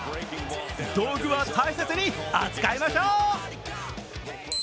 道具は大切に扱いましょう。